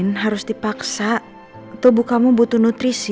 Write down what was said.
andin harus dipaksa tuwwu kamu butuh nutrisi